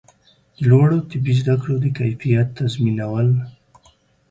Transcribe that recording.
د لوړو طبي زده کړو د کیفیت تضمینول